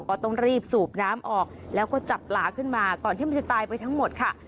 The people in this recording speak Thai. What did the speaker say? ก็ต้องรีบสูบน้ำออกแล้วก็จับหลาขึ้นมาก่อนที่มันจะตายไปทั้งหมดค่ะ